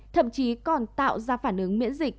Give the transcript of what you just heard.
thậm chí còn tạo ra phản ứng miễn dịch